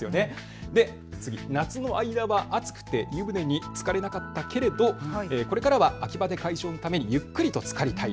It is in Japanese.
次、夏の間は暑くて湯船につかれなかったけれどこれからは秋バテ解消のためにゆっくりとつかりたい。